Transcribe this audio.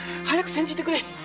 早く煎じてくれ！